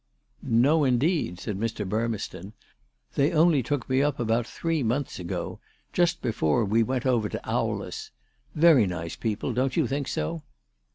" No, indeed," said Mr. Burmeston. " They only took me up about three months ago, just before we went over to Owless. Yery nice people ; don't you think so